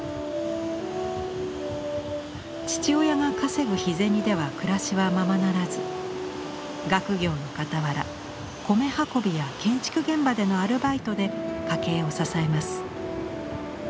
父親が稼ぐ日銭では暮らしはままならず学業のかたわら米運びや建築現場でのアルバイトで家計を支えます。